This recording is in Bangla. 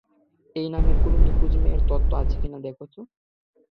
এই নামের কোনো নিখোঁজ মেয়ের তথ্য আছে কি না দেখতে।